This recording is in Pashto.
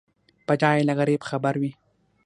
بډای له غریب خبر وي.